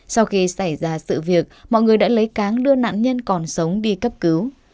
sau khi xảy ra sự việc mọi người đã lấy cáng đưa nạn nhân còn sống đi cấp cứu